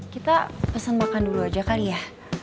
kita pesan makan dulu aja kali ya